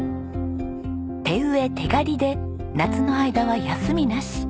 手植え手刈りで夏の間は休みなし。